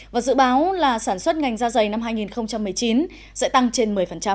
và dự báo là sản xuất ngành da dày năm hai nghìn một mươi chín sẽ tăng trên một mươi